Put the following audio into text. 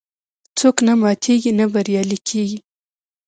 څوک چې نه ماتیږي، نه بریالی کېږي.